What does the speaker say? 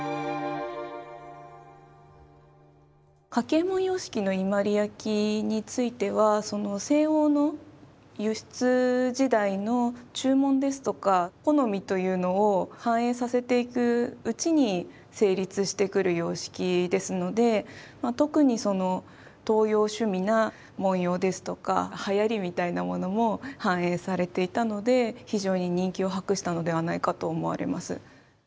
柿右衛門様式の伊万里焼については西欧の輸出時代の注文ですとか好みというのを反映させていくうちに成立してくる様式ですので特にその東洋趣味な文様ですとかはやりみたいなものも反映されていたので非常に人気を博したのではないかと思われます。